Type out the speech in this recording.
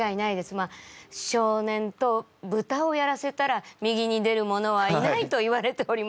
まあ少年とぶたをやらせたら右に出るものはいないといわれております。